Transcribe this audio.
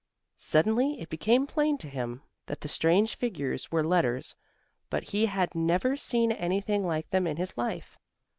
Suddenly it became plain to him that the strange figures were letters, but he had never seen any like them in his life.